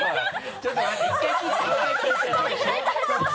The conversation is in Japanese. ちょっと待って！